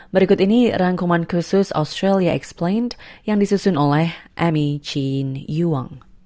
berikut ini rangkuman khusus australia explain yang disusun oleh ami chin yuang